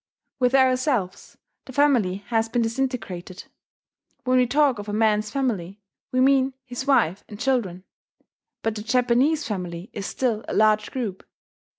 With ourselves the family has been disintegrated: when we talk of a man's family, we mean his wife and children. But the Japanese family is still a large group.